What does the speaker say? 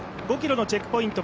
５ｋｍのチェックポイント